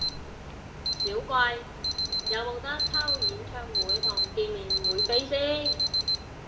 少貴，有無得抽演唱會同見面會飛先？